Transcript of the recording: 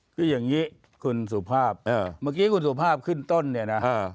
คืออย่างนี้คุณสุภาพเมื่อกี้คุณสุภาพขึ้นต้นเนี่ยนะ